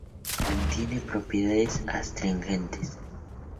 Tiene propiedades astringentes.